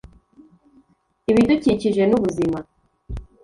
ibidukikije n’ubuzima